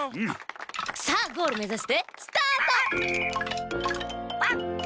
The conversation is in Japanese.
さあゴールめざしてスタート！